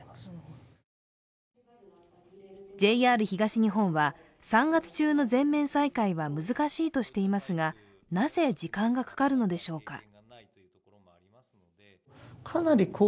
ＪＲ東日本は、３月中の全面再開は難しいとしていますがなぜ時間がかかるのでしょうか。